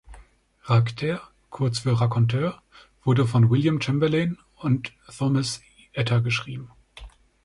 Racter, kurz für „Raconteur“, wurde von William Chamberlain und Thomas Etter geschrieben.